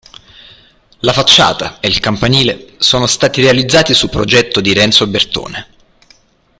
La facciata e il campanile sono stati realizzati su progetto di Renzo Bertone.